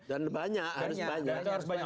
dan banyak harus banyak